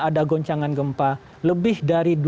ada goncangan gempa lebih dari